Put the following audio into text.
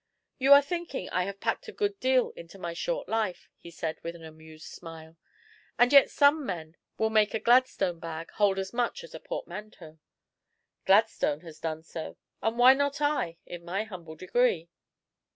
"You are thinking I have packed a good deal into my short life," he said, with an amused smile. "And yet some men will make a Gladstone bag hold as much as a portmanteau. Gladstone has done so; and why not I, in my humble degree?"